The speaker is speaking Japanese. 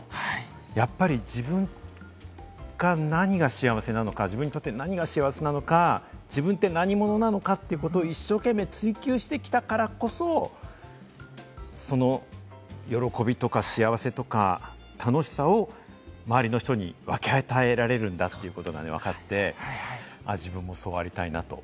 やっぱり自分が何が幸せなのか、自分って何者なのかということを一生懸命追求してきたからこそ、その喜びとか、幸せとか、楽しさを周りの人に分け与えられるんだということがわかって、自分もそうありたいなと。